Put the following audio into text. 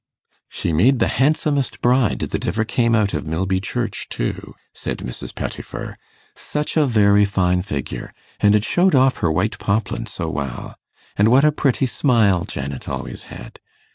'She made the handsomest bride that ever came out of Milby church, too,' said Mrs. Pettifer. 'Such a very fine figure! And it showed off her white poplin so well. And what a pretty smile Janet always had!